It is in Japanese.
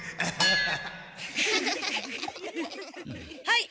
はい！